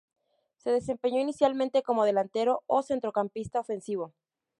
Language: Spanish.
Se desempeñó inicialmente como delantero o centrocampista ofensivo.